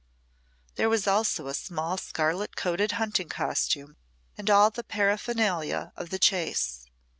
There was also a small scarlet coated hunting costume and all the paraphernalia of the chase.